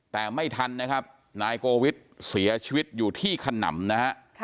แต่ไม่ทันนะครับนายโกวิทเสียชีวิตอยู่ที่ขนำนะฮะ